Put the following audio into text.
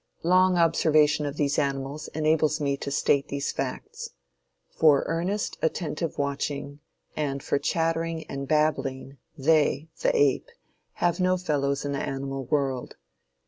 Long observation of these animals enables me to state these facts. For earnest, attentive watching, and for chattering and babbling they (the ape) have no fellows in the animal world.